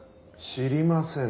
「知りません」